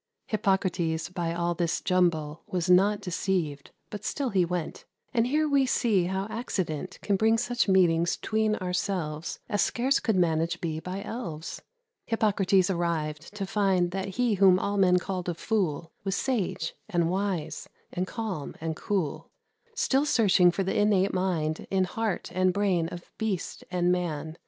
Hippocrates, by all this jumble, Was not deceived, but still he went; And here we see how accident Can bring such meetings 'tween ourselves As scarce could managed be by elves. Hippocrates arrived, to find That he whom all men called a fool Was sage, and wise, and calm, and cool, Still searching for the innate mind In heart and brain of beast and man.